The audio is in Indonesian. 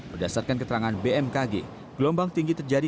berdasarkan keterangan bmkg gelombang tinggi terjadi di jawa barat